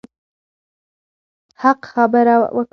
حق خبره وکړئ.